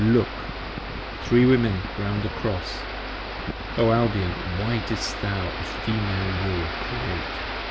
Look! Three Women around 43 The Cross! O Albion why didst thou a Female Will Create?